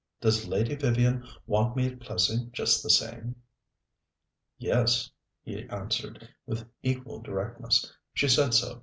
"Does Lady Vivian want me at Plessing just the same?" "Yes," he answered, with equal directness. "She said so.